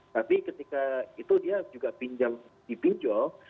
tapi ketika itu dia juga pinjam di pinjol